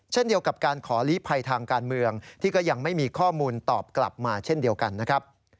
เช่นเดียวกับการขอลีภัยทางการเมืองที่ก็ยังไม่มีข้อมูลตอบกลับมาเช่นเดียวกันนะครับ